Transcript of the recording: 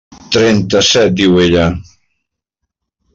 «Trenta-set», diu ella.